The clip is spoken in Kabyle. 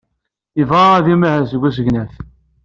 Yebɣa ad imahel deg usegnaf.